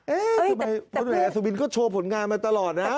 ทำไมพลเอกอัศวินก็โชว์ผลงานมาตลอดนะ